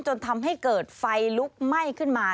จนทำให้เกิดไฟลุกไหม้ขึ้นมา